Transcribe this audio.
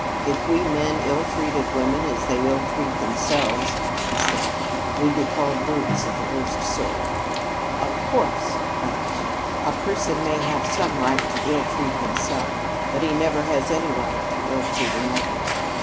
"If we men ill treated women as they ill treat themselves," he said, "we'd be called brutes of the worst sort." "Of course!" cried Kate. "A person may have some right to ill treat himself, but he never has any right to ill treat another."